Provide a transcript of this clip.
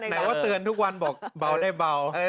แต่ว่าเตือนทุกวันบอกเบาได้เบา